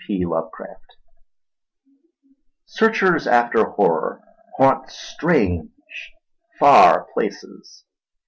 P. Lovecraft Searchers after horror haunt strange, far places.